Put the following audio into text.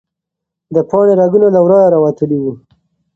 د پاڼې رګونه له ورایه راوتلي وو.